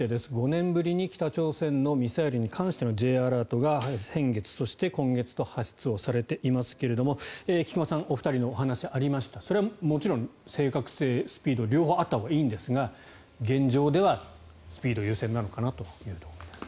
５年ぶりに北朝鮮のミサイルに関してのＪアラートが先月、そして今月と発出されていますけれど菊間さんお二人のお話ありましたそれはもちろん正確性、スピード両方あったほうがいいんですが現状ではスピード優先なのかなというところです。